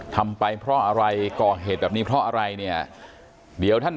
ทำไปเพราะอะไรก่อเหตุแบบนี้เพราะอะไรเนี่ยเดี๋ยวท่าน